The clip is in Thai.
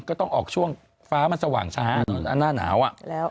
ก็ต้องออกช่วงฟ้ามันสว่างช้าหน้าหนาวอ่ะ